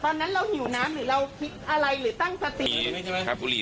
ตอนนั้นเราหิวน้ำหรือเราคิดอะไรหรือตั้งสติ